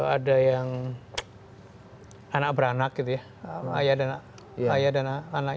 ada yang anak beranak gitu ya ayah dan anak